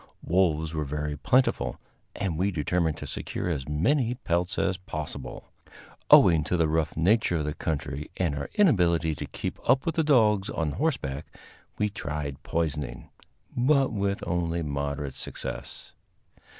Wolves were very plentiful, and we determined to secure as many pelts as possible. Owing to the rough nature of the country and our inability to keep up with the dogs on horseback, we tried poisoning, but with only moderate success.